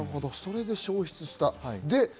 それで消失した。